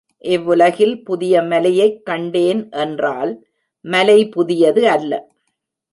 இவ்வுலகில் புதிய மலையைக் கண்டேன் என்றால் மலை புதியது அல்ல.